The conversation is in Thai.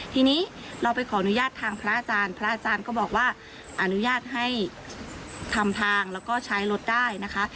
ทีนี้เราไปขออนุญาตทางพระอาจารย์พระอาจารย์ก็บอกว่าอนุญาตให้ทำทางแล้วก็ใช้รถได้นะคะ